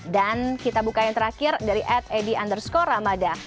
dan kita buka yang terakhir dari ad eddy underscore ramada